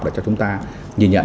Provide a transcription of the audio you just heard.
để cho chúng ta nhìn nhận